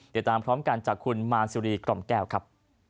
เดี๋ยวตามพร้อมกันจากคุณมานซิรีกล่อมแก้วครับ